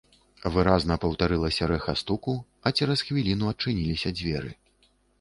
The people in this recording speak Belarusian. Выразна паўтарылася рэха стуку, а цераз хвіліну адчыніліся дзверы.